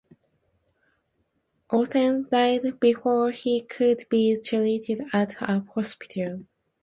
Ohnesorg died before he could be treated at a hospital.